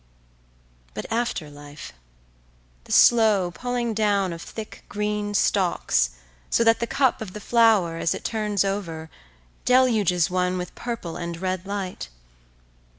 …But after life. The slow pulling down of thick green stalks so that the cup of the flower, as it turns over, deluges one with purple and red light.